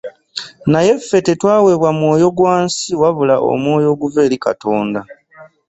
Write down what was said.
Naye ffe tetwaweebwa mwoyo gwa nsi, wabula omwoyo oguva eri Katonda.